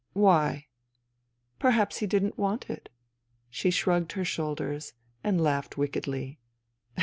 " Why ?"" Perhaps he didn't want it." She shrugged her shoulders and laughed wickedly.